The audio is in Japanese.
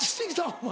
お前。